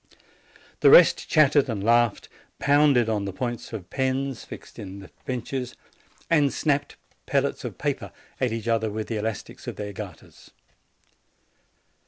The rest chattered and laughed, pounded on the points of pens fixed in 85 86 JANUARY the benches, and snapped pellets of paper at each other with the elastics of their garters.